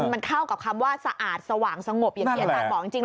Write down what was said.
มันเข้ากับคำว่าสะอาดสว่างสงบอย่างที่อาจารย์บอกจริง